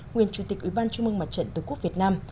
nguyên chủ tịch ủy ban trung mương mặt trận tổ quốc việt nam